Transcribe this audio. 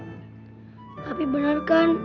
tapi bener kan